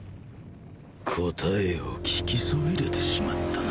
答えを聞きそびれてしまったな。